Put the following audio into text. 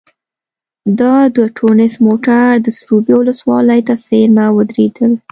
دا دوه ټونس موټر د سروبي ولسوالۍ ته څېرمه ودرېدل.